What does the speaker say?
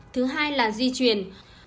thứ hai là di truyền